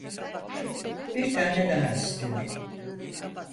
Bir tane daha istiyorum.